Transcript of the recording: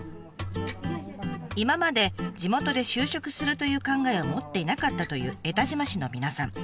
今まで地元で就職するという考えを持っていなかったという江田島市の皆さん。